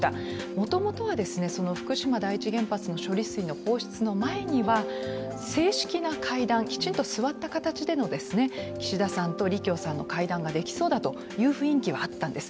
もともとは福島第一原発の処理水の放出の前には正式な会談、きちんと座った形での岸田さんと李強さんとの会談ができそうだという雰囲気は合ったんです。